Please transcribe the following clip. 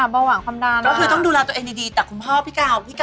มีอย่างอื่นอีกไหมคะ